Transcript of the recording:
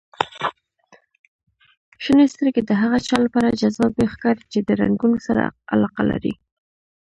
• شنې سترګې د هغه چا لپاره جذابې ښکاري چې د رنګونو سره علاقه لري.